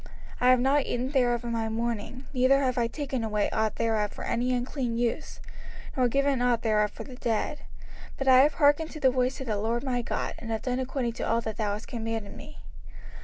05:026:014 I have not eaten thereof in my mourning, neither have I taken away ought thereof for any unclean use, nor given ought thereof for the dead: but I have hearkened to the voice of the LORD my God, and have done according to all that thou hast commanded me.